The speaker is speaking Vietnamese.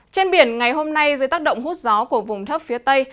trên biển ngày hôm nay dưới tác động hút gió của vùng thấp phía tây